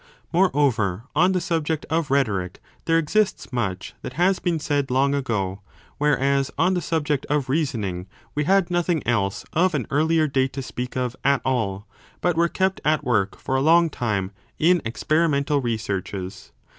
Moreover, on the subject of Rhetoric there exists much that has been said long ago, whereas on the subject 184 of reasoning we had nothing else of an earlier date to speak of at all, but were kept at work for a long time in experi mental researches.